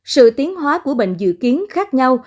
sự tiến hóa của bệnh dự kiến khác nhau